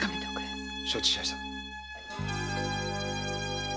承知しました。